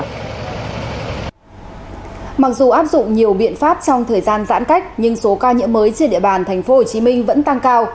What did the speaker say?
mặc dù áp dụng áp dụng nhiều biện pháp trong thời gian giãn cách nhưng số ca nhiễm mới trên địa bàn tp hcm vẫn tăng cao